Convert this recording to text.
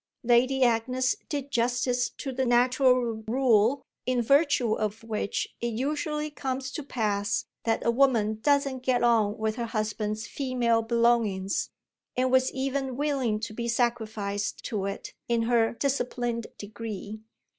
Lady Agnes did justice to the natural rule in virtue of which it usually comes to pass that a woman doesn't get on with her husband's female belongings, and was even willing to be sacrificed to it in her disciplined degree.